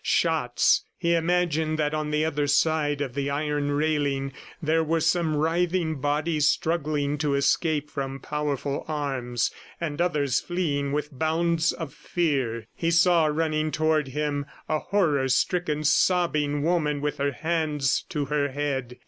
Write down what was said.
Shots! ... He imagined that on the other side of the iron railing there were some writhing bodies struggling to escape from powerful arms, and others fleeing with bounds of fear. He saw running toward him a horror stricken, sobbing woman with her hands to her head.